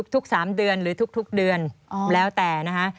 ทุก๓เดือนหรือทุกเดือนแล้วแต่นะคะ